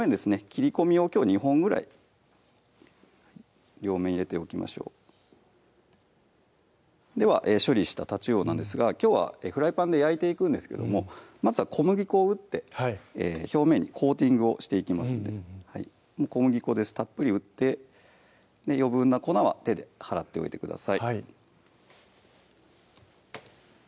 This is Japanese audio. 切り込みをきょう２本ぐらい両面入れておきましょうでは処理したたちうおなんですがきょうはフライパンで焼いていくんですけどもまずは小麦粉を打って表面にコーティングをしていきますので小麦粉ですたっぷり打って余分な粉は手で払っておいてください